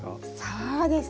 そうですね